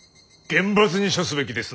厳罰に処すべきですな。